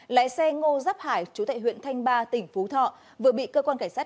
lái xe ngô rắp hải chú tại huyện thanh ba tỉnh phú thọ vừa bị cơ quan cảnh sát